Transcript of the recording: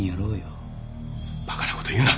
バカなこと言うな！